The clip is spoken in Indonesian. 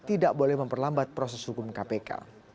tidak boleh memperlambat proses hukum kpk